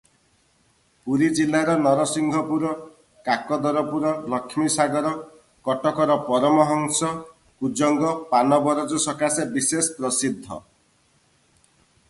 ପୁରୀଜିଲାର ନରସିଂହପୁର, କାକଦରପୁର, ଲକ୍ଷ୍ମୀସାଗର; କଟକର ପରମହଂସ, କୁଜଙ୍ଗ ପାନବରଜ ସକାଶେ ବିଶେଷ ପ୍ରସିଦ୍ଧ ।